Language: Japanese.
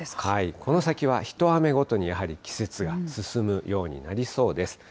この先は一雨ごとにやはり季節が進むようになりそうです。